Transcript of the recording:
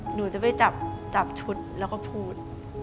หนูจะไปจับชุดแล้วก็พูด